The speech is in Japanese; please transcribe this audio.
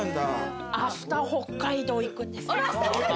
あした北海道行くんですよ。